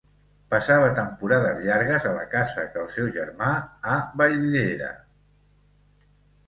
Passava temporades llargues a la casa que el seu germà a Vallvidrera.